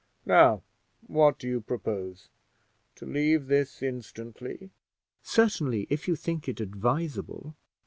Now, what do you propose to leave this instantly?" "Certainly, if you think it advisable."